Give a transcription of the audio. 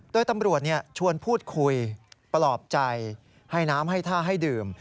โดยตำรวจชวนพูดคุยปลอบใจให้น้ำให้ท่าให้ดื่ม